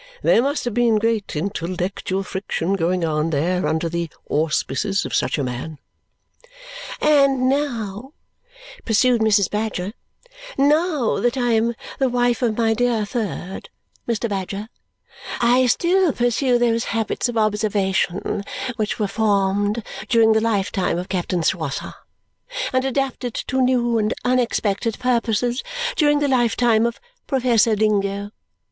"There must have been great intellectual friction going on there under the auspices of such a man!" "And now," pursued Mrs. Badger, "now that I am the wife of my dear third, Mr. Badger, I still pursue those habits of observation which were formed during the lifetime of Captain Swosser and adapted to new and unexpected purposes during the lifetime of Professor Dingo.